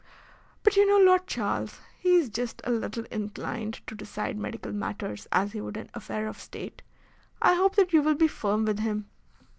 "But you know Lord Charles. He is just a little inclined to decide medical matters as he would an affair of State. I hope that you will be firm with him."